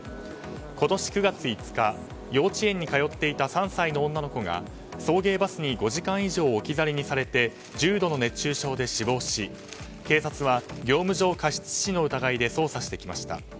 今年９月５日幼稚園に通っていた３歳の女の子が送迎バスに５時間以上置き去りにされて重度の熱中症で死亡し警察は業務上過失致死の疑いで捜査してきました。